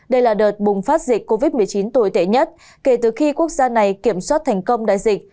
đây là đợt bùng phát dịch covid một mươi chín tồi tệ nhất kể từ khi quốc gia này kiểm soát thành công đại dịch